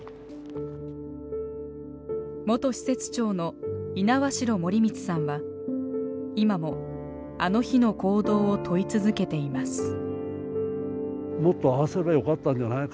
元施設長の猪苗代盛光さんは今もあの日の行動を問い続けています。